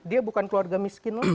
dia bukan keluarga miskin lagi